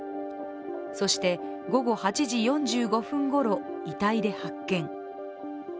そして、午後８時４５分ごろ、遺体で発見。